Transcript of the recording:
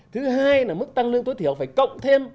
thứ hai là mức tăng lương tối thiểu phải cộng thêm